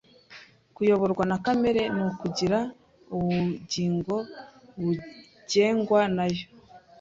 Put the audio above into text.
Kuyoborwa na kamere ni ukugira ubugingo bugengwa nayo